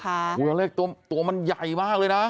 อ๋อกลัวอลเล็กตัวมันใหญ่มากเลยนะ